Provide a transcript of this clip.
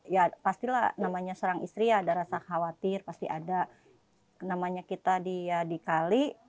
ya pastilah namanya serang istri ya ada rasa khawatir pasti ada namanya kita dia dikali